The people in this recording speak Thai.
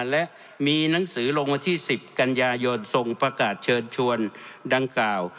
และมีหนังสือลงวันที่๑๐กันยายนทรงประกาศเชิญชวนดังกล่าว